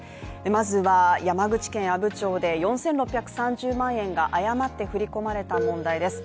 まずは山口県阿武町で４６３０万円が誤って振り込まれた問題です。